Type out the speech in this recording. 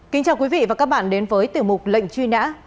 kính chào quý vị và các bạn đến với tiểu mục lệnh truy nã